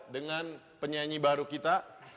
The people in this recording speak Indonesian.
dengan penyanyi baru kita